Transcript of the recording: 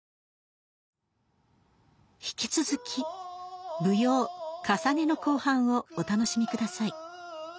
引き続き舞踊「かさね」の後半をお楽しみください。